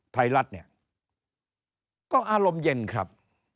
ไทยรัฐเนี่ยก็อารมณ์เย็นครับ